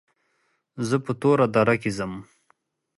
زه په توره دره کې ځم.